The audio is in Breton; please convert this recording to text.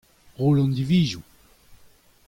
roll an divizoù.